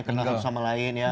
kena sama lain ya